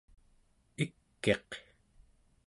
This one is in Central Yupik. ik'iq